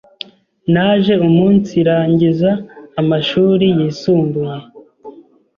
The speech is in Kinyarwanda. Naje umunsirangiza amashuri yisumbuye